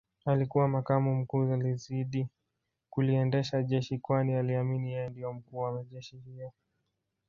Alikuwa makamu mkuu alizidi kuliendesha jeshi kwani aliamini yeye ndio mkuu wa majeshi hayo